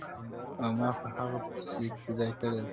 • او ما په هغه پسي اقتداء کړې ده -